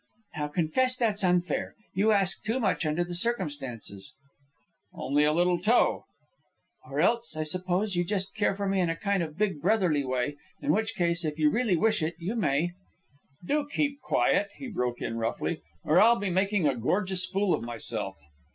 "Now confess that's unfair. You ask too much under the circumstances " "Only a little toe." "Or else, I suppose, you just care for me in a kind, big brotherly way. In which case, if you really wish it, you may " "Do keep quiet," he broke in, roughly, "or I'll be making a gorgeous fool of myself."